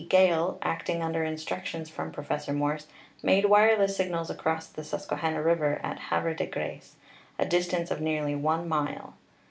Gale, acting under instructions from Professor Morse, made wireless signals across the Susquehanna River at Havre de Grace, a distance of nearly one mile.